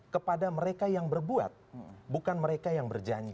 kepada mereka yang berbuat bukan mereka yang berjanji